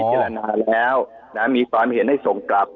พิจารณาแล้วมีความเห็นให้ส่งกลับ